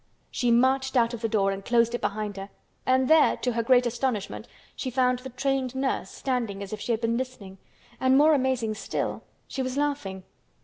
She marched out of the door and closed it behind her, and there to her great astonishment she found the trained nurse standing as if she had been listening and, more amazing still—she was laughing.